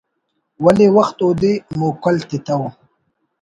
ولے وخت اودے موکل تتو